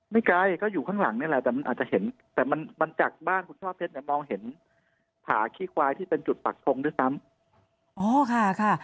ไม่ไกลก็อยู่ข้างหลังนี่แหละแต่มันอาจจะเห็นแต่มันมันจากบ้านคุณช่อเพชรเนี่ยมองเห็นผาขี้ควายที่เป็นจุดปักทงด้วยซ้ำอ๋อค่ะ